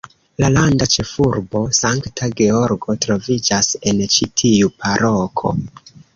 La landa ĉefurbo, Sankta Georgo troviĝas en ĉi tiu paroko.